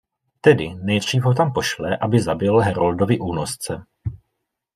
Tedy, nejdřív ho tam pošle, aby zabil Haroldovy únosce...